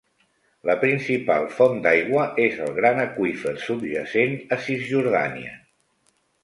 La principal font d'aigua és el gran aqüífer subjacent a Cisjordània.